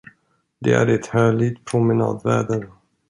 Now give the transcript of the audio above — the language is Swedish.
Det är ett härligt promenadväder.